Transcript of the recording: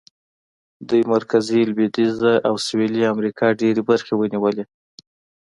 دوی مرکزي، لوېدیځه او سوېلي امریکا ډېرې برخې ونیولې.